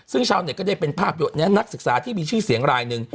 ซึ่งชาวเน็ตก็ได้เป็นภาพนี้นักศึกษาที่มีชื่อเสียงรายหนึ่ง